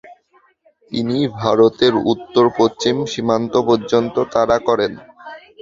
তিনি ভারতের উত্তর-পশ্চিম সীমান্ত পর্যন্ত তারা করেন।